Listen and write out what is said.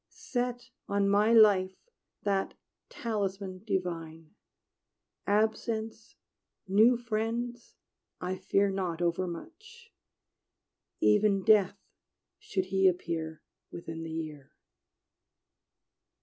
Set on my life that talisman divine; Absence, new friends, I fear not overmuch Even Death, should he appear Within the year!